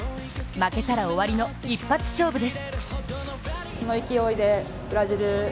負けたら終わりの一発勝負です。